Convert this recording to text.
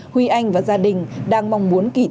huy anh và gia đình đang mong muốn kỳ tự